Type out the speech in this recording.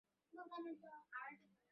Please মাফ করে দে।